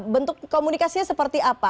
bentuk komunikasinya seperti apa